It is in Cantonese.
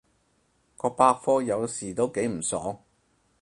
個百科有時都幾唔爽